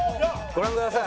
ご覧ください。